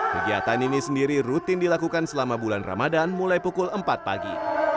kegiatan ini sendiri rutin dilakukan selama bulan ramadan mulai pukul empat pagi